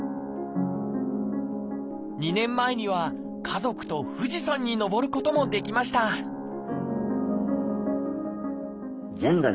２年前には家族と富士山に登ることもできましたチョイス！